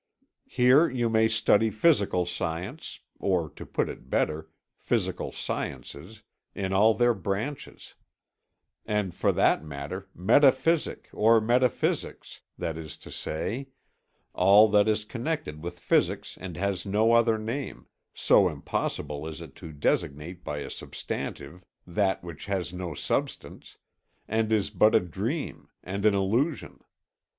Here you may study physical science, or to put it better, physical sciences in all their branches, and for that matter metaphysic or metaphysics, that is to say, all that is connected with physics and has no other name, so impossible is it to designate by a substantive that which has no substance, and is but a dream and an illusion.